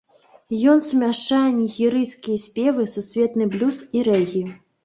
Ён сумяшчае нігерыйскія спевы, сусветны блюз і рэгі.